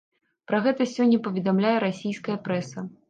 Пра гэта сёння паведамляе расійская прэса.